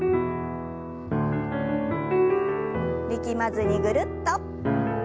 力まずにぐるっと。